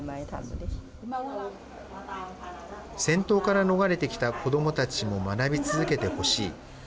戦闘から逃れてきた子どもたちも学び続けてほしい。